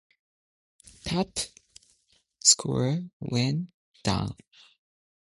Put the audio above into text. The game plays similarly to the Atari game "Kaboom!".